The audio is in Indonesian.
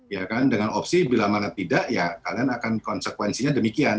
ya kan dengan opsi bila mana tidak ya kalian akan konsekuensinya demikian